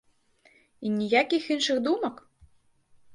І ніякіх іншых думак?